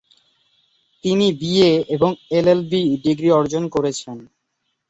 তিনি বিএ এবং LLB degree অর্জন করেছেন।